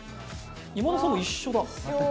今田さんも一緒だ一緒